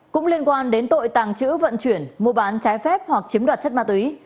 cũng liên quan đến tội tàng trữ vận chuyển mua bán trái phép hoặc chiếm đoạt chất ma túy